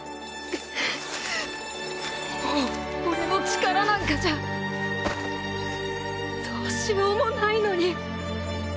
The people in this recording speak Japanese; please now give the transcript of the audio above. もう俺の力なんかじゃどうしようもないのに